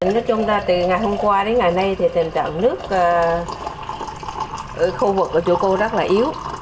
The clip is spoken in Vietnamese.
nói chung là từ ngày hôm qua đến ngày nay thì tình trạng nước ở khu vực ở chỗ cô rất là yếu